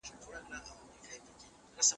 حکومتونو به د دوستۍ پیغامونه رسولي وي.